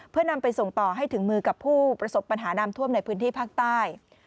เพื่อนำไปส่งต่อให้ถึงมือกับผู้ประสบปัญหาน้ำท่วมในพื้นที่ภาคใต้